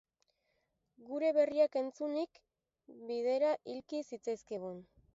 Gure berriak entzunik, bidera ilki zitzaizkigun.